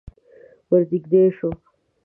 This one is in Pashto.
ور نږدې شوم.